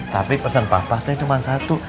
tapi pesen papa tuh cuma satu